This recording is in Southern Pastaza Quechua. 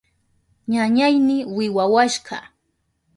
Ñañayni wiwawashka.